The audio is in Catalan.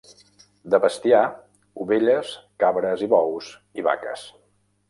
De bestiar, ovelles, cabres i bous i vaques.